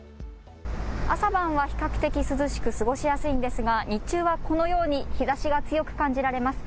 朝晩は比較的涼しく過ごしやすいんですが日中はこのように日ざしが強く感じられます。